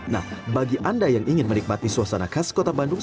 nah bagi anda yang ingin menikmati suasana khas kota bandung